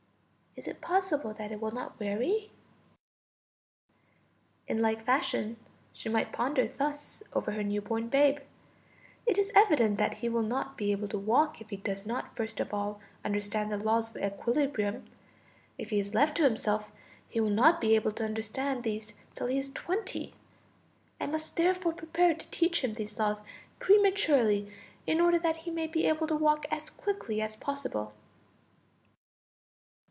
Is it possible that it will not weary? In like fashion, she might ponder thus over her new born babe: it is evident that he will not be able to walk if he does not first of all understand the laws of equilibrium; if he is left to himself, he will not be able to understand these till he is twenty; I must therefore prepare to teach him these laws prematurely in order that he may be able to walk as quickly as possible.